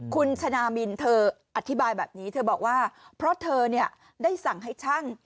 คุณชนะมินเธออธิบายแบบนี้เธอบอกว่าเพราะเธอเนี่ยได้สั่งให้ช่าง